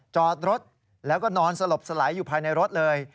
จอดรถแล้วก็นอนสลบสลายอยู่ภายในรถเลย